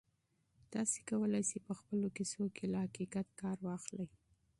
تاسي کولای شئ په خپلو کیسو کې له حقیقت کار واخلئ.